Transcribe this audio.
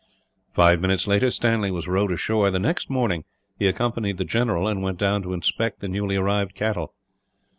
Five minutes later Stanley was rowed ashore. The next morning he accompanied the general, and went down to inspect the newly arrived cattle.